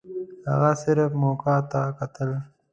هغه صرف موقع ته کتل.